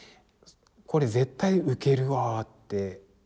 これ絶対ウケるわって。